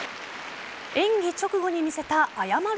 演技直後に見せた謝る